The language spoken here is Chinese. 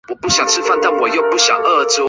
站前设单渡线。